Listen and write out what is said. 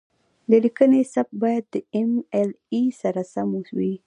د لیکنې سبک باید د ایم ایل اې سره سم وي.